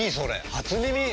初耳！